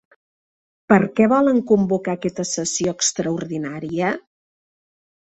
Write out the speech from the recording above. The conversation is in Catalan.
Per què volen convocar aquesta sessió extraordinària?